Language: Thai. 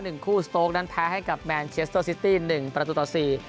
หนึ่งคู่โต๊คนั้นแพ้ให้กับแมนเชสเตอร์ซิตี้๑๔